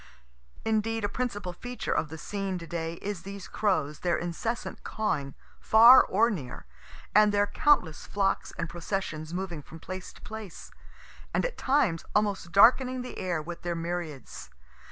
Indeed a principal feature of the scene to day is these crows, their incessant cawing, far or near, and their countless flocks and processions moving from place to place, and at times almost darkening the air with their myriads.